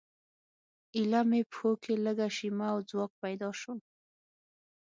ایله مې پښو کې لږه شیمه او ځواک پیدا شو.